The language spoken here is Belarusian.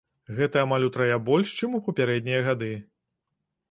Гэта амаль утрая больш, чым у папярэднія гады.